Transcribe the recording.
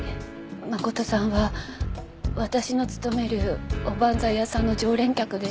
誠さんは私の勤めるおばんざい屋さんの常連客でした。